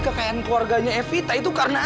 kekayaan keluarganya evita itu karena